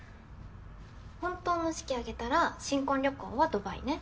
本当の式挙げたら新婚旅行はドバイね。